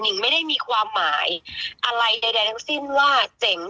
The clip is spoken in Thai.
ไม่ได้มีความหมายอะไรใดทั้งสิ้นว่าเจ๋ง